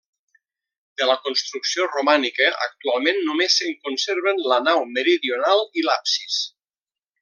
De la construcció romànica, actualment només se'n conserven la nau meridional i l'absis.